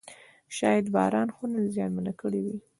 شاید باران خونه زیانمنه کړې وي.